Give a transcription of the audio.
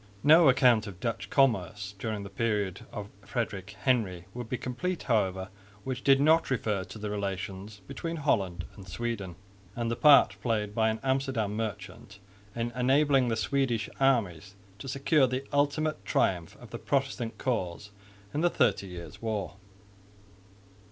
No account of Dutch commerce during the period of Frederick Henry would be complete, however, which did not refer to the relations between Holland and Sweden, and the part played by an Amsterdam merchant in enabling the Swedish armies to secure the ultimate triumph of the Protestant cause in the Thirty Years' War.